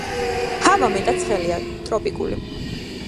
ჰავა მეტად ცხელია, ტროპიკული.